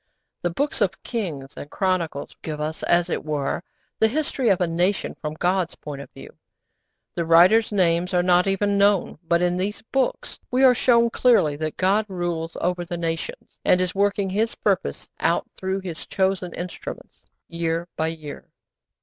The Books of Kings and Chronicles give us, as it were, the history of a nation from God's point of view. The writers' names are not even known. But in these Books we are shown clearly that God rules over the nations, and is working His purpose out through His chosen instruments, year by year.